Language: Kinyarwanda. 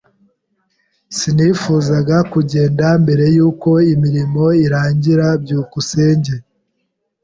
Sinifuzaga kugenda mbere yuko imirimo irangira. byukusenge